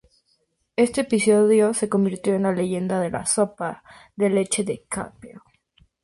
Este episodio se convirtió en la leyenda de la "sopa de leche de Kappel".